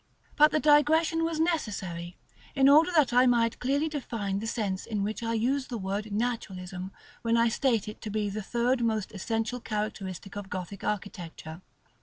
But the digression was necessary, in order that I might clearly define the sense in which I use the word Naturalism when I state it to be the third most essential characteristic of Gothic architecture.